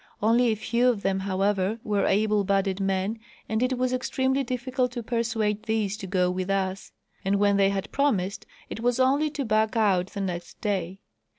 Only a few of them, however, were able bodied men, and it was extremely difficult to persuade these to go with us ; and when they had promised it was only to back out the next day.